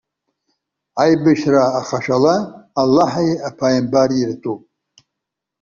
Аибашьра ахашәала, Аллаҳи иԥааимбари иртәуп.